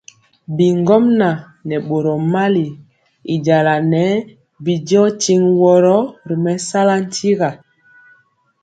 Bi ŋgomnaŋ nɛ boro mali, y jala nɛɛ bɛ diɔ tiŋg woro ri mɛsala ntira.